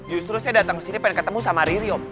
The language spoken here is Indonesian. justru saya datang ke sini pengen ketemu sama ririo